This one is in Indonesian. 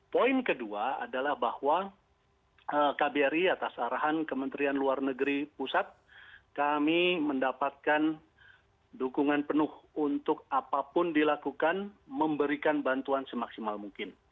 poin kedua adalah bahwa kbri atas arahan kementerian luar negeri pusat kami mendapatkan dukungan penuh untuk apapun dilakukan memberikan bantuan semaksimal mungkin